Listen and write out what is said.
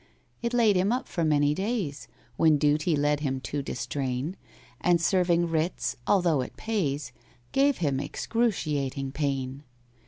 It laid him up for many days, When duty led him to distrain, And serving writs, although it pays, Gave him excruciating pain.